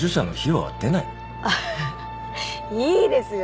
ああいいですよ